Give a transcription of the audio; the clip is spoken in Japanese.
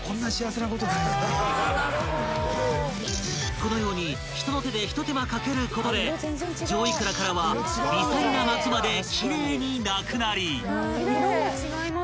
［このように人の手でひと手間かけることで上いくらからは微細な膜まで奇麗になくなり］